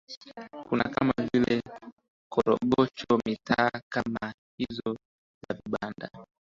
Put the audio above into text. kuna kama vile korogocho mitaa kama hizo za vibanda